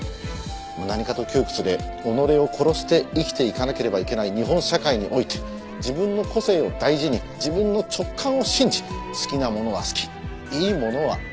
何かと窮屈で己を殺して生きていかなければいけない日本社会において自分の個性を大事に自分の直感を信じ好きなものは好きいいものはいい。